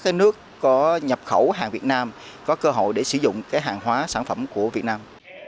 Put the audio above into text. các nước có nhập khẩu hàng việt nam có cơ hội để sử dụng hàng hóa sản phẩm của việt nam